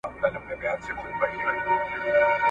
قتلول یې یوله بله په زرګونه ..